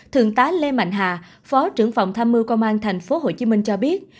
thượng tá lê mạnh hà phó trưởng phòng tham mưu công an tp hcm cho biết